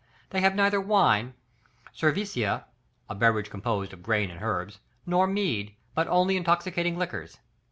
They have neither wine, cervisia, (a beverage composed of grain and herbs,) nor mead, but only intoxicating liquors.